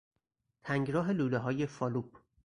تنگراه لولههای فالوپ